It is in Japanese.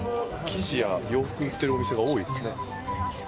生地や洋服を売ってるお店が多いですね。